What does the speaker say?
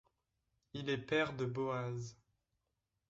Il est père de Boaz.